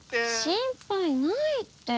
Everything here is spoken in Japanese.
心配ないって！